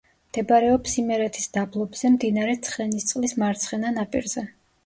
მდებარეობს იმერეთის დაბლობზე, მდინარე ცხენისწყლის მარცხენა ნაპირზე.